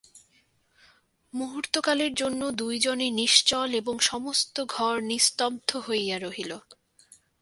মুহূর্তকালের জন্য দুইজনে নিশ্চল এবং সমস্ত ঘর নিস্তব্ধ হইয়া রহিল।